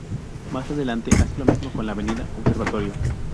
Más adelante hace lo mismo con la Avenida Observatorio.